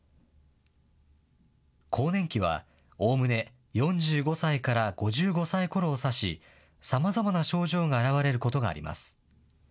更年期は、おおむね４５歳から５５歳ころを指し、さまざまな症状が現れることがあります。